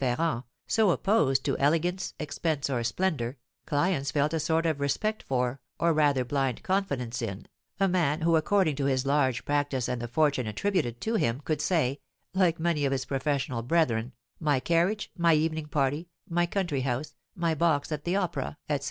Ferrand, so opposed to elegance, expense, or splendour, clients felt a sort of respect for, or rather blind confidence in, a man who, according to his large practice and the fortune attributed to him, could say, like many of his professional brethren, my carriage, my evening party, my country house, my box at the opera, etc.